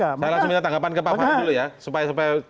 saya langsung minta tanggapan ke pak wahri dulu ya